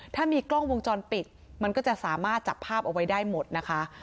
ถ้ามีกล้องวงจรปิดมันก็จะสามารถจับภาพเอาไว้ได้หมดนะคะ